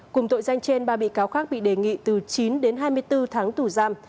cùng tội danh trên ba bị cáo khác bị đề nghị từ chín đến hai mươi bốn tháng tù giam